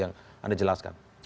yang anda jelaskan